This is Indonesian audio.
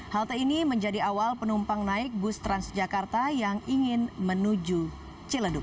halte ini menjadi awal penumpang naik bus transjakarta yang ingin menuju ciledug